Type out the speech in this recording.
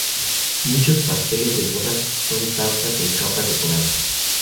Muchos pasteles de bodas son tartas en capas decoradas.